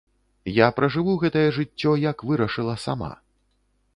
Я пражыву гэтае жыццё, як вырашыла сама.